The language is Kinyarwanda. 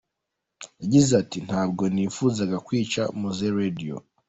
Yagize ati “Ntabwo nifuzaga kwica Mowzey Radio.